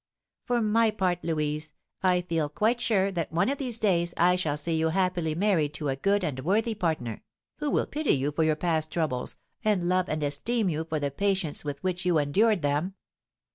"For my part, Louise, I feel quite sure that one of these days I shall see you happily married to a good and worthy partner, who will pity you for your past troubles, and love and esteem you for the patience with which you endured them."